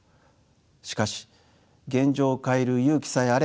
しかし現状を変える勇気さえあれば見え